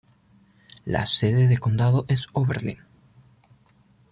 La sede de condado es Oberlin.